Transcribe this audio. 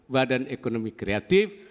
badan ekonomi kreatif